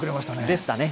でしたね。